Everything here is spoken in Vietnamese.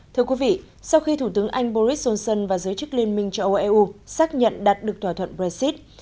thưa quý vị sau khi thủ tướng anh boris johnson và giới chức liên minh cho eu xác nhận đặt được thỏa thuận brexit